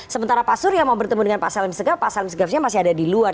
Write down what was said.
sementara pak surya mau bertemu dengan pak salim segaf pak salim segafnya masih ada di luar